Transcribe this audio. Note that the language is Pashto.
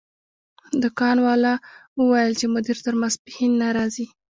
دکان والا وویل چې مدیر تر ماسپښین نه راځي.